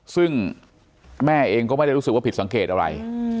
ซึ่งแม่เองก็ไม่ได้รู้สึกว่าผิดสังเกตอะไร